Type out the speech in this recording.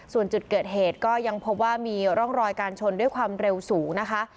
ส่วนจุดเกิดเหตุก็ยังพบว่ามีร่องรอยการชนด้วยความเร็วสูงนะคะ